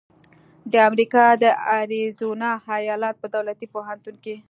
د امریکا د اریزونا ایالت په دولتي پوهنتون کې